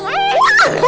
mulai lagi satu